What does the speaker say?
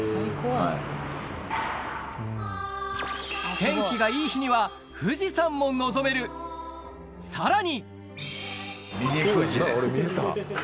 天気がいい日には富士山も望めるさらに！